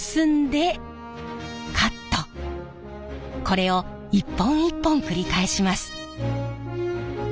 これを一本一本繰り返します。